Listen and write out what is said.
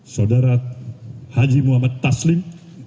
saudara haji muhammad taslim